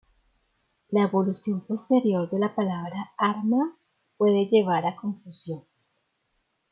La evolución posterior de la palabra arma puede llevar a confusión.